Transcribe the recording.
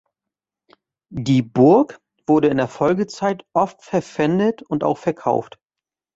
Die Burg wurde in der Folgezeit oft verpfändet und auch verkauft.